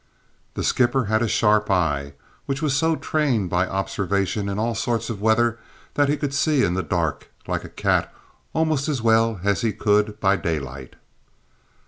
The skipper had a sharp eye, which was so trained by observation in all sorts of weather that he could see in the dark, like a cat, almost as well as he could by daylight.